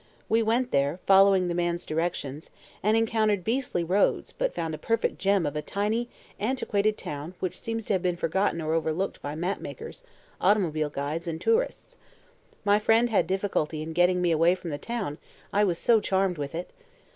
We went there, following the man's directions, and encountered beastly roads but found a perfect gem of a tiny, antiquated town which seems to have been forgotten or overlooked by map makers, automobile guides and tourists. My friend had difficulty in getting me away from the town, I was so charmed with it.